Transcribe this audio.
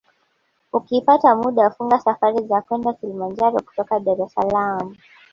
Ukipata muda funga safari za kwenda Kilimanjaro kutoka Dar es Salaam